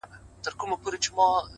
ستا له تصويره سره!!